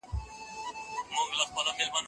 د رایې ورکول د هر وګړي حق دی.